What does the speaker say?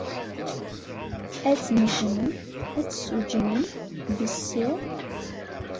Ad tnejjmem ad tessuǧǧmem bessi?